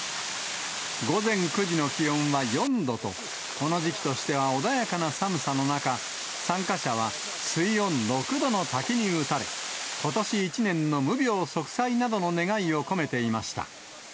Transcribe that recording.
午前９時の気温は４度と、この時期としては穏やかな寒さの中、参加者は水温６度の滝に打たれ、ことし１年の無病息災などの願いを込めていました。